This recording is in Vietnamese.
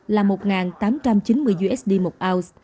là một tám trăm chín mươi usd một ounce